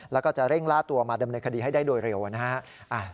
แล้วก็จะเร่งล่าตัวมาดำเนินคดีให้ได้โดยเร็วนะฮะ